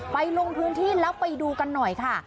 ลงพื้นที่แล้วไปดูกันหน่อยค่ะ